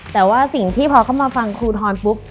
แต่ว่าสิ่งที่พอเข้ามาฟังครูทรปุ๊บ